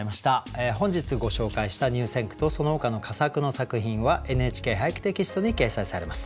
本日ご紹介した入選句とそのほかの佳作の作品は「ＮＨＫ俳句」テキストに掲載されます。